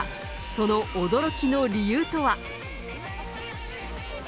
その驚きの理由とは。